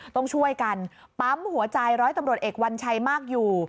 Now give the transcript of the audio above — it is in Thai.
ต้องช่วยกันปั๊มหัวใจร้อยตำรวจเอกวัญชัยมากอยู่